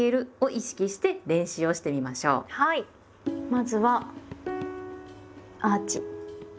まずはアーチ。